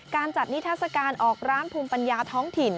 การจัดนิทัศกาลออกร้านภูมิปัญญาท้องถิ่น